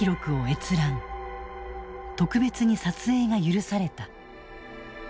特別に撮影が許された。